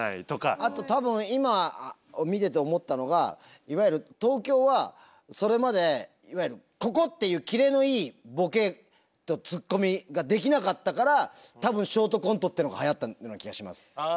あと多分今見てて思ったのがいわゆる東京はそれまでここっていうキレのいいボケとツッコミができなかったから多分ショートコントってのがはやったような気がします。